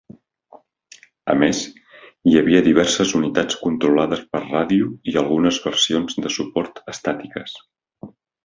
A més, hi havia diverses unitats controlades per ràdio i algunes versions de suport estàtiques.